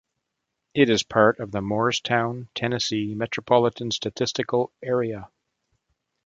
It is part of the Morristown, Tennessee Metropolitan Statistical Area.